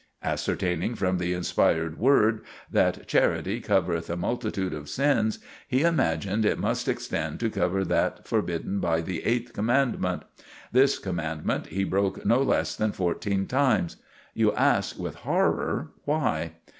Ascertaining from the inspired Word that 'charity covereth a multitude of sins,' he imagined it must extend to cover that forbidden by the Eighth Commandment. This commandment he broke no less than fourteen times. You ask with horror why.